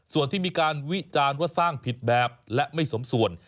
ส่วนที่มีการวิจารณ์ว่าสร้างผิดแบบและไม่สมส่วน